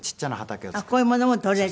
こういうものも採れる。